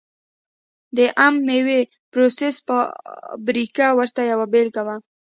د عم مېوې پروسس فابریکه ورته یوه بېلګه وه.